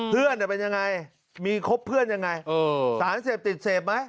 นั่นเป็นยังไงมีครบเพื่อนยังไงสารเสพติดเสพไหม